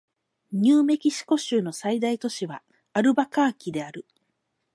ニューメキシコ州の最大都市はアルバカーキである